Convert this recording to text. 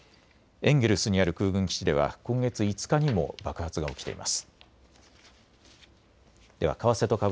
エンゲルスにある空軍基地では今月５日にも爆発が起きています。